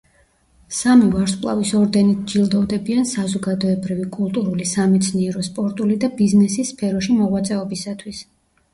სამი ვარსკვლავის ორდენით ჯილდოვდებიან საზოგადოებრივი, კულტურული, სამეცნიერო, სპორტული და ბიზნესის სფეროში მოღვაწეობისათვის.